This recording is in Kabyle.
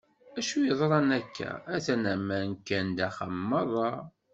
D acu yeḍran akka? Atan aman kkan-d axxam merra.